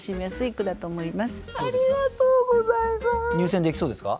入選できそうですか？